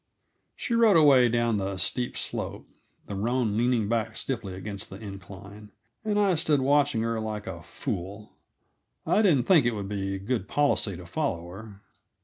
She rode away down the steep slope, the roan leaning back stiffly against the incline, and I stood watching her like a fool. I didn't think it would be good policy to follow her.